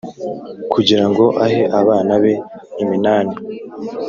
kugira ngo ahe abana be iminani.